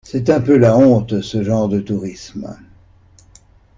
C'est un peu la honte ce genre de tourisme.